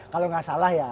kalau gak salah ya